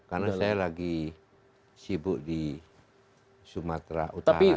karena saya lagi sibuk di sumatera utara